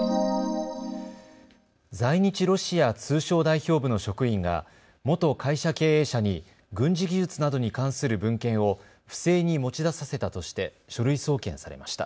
在日ロシア通商代表部の職員が元会社経営者に軍事技術などに関する文献を不正に持ち出させたとして書類送検されました。